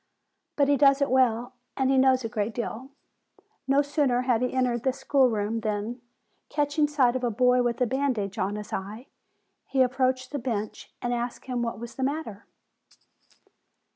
But he does it well, and he knows a great deal. No sooner had he entered the schoolroom than, catching sight of a boy with a bandage on his eye, he ap proached the bench, and asked him what was the matter.